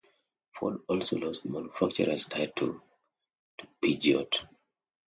Ford also lost the manufacturers' title to Peugeot.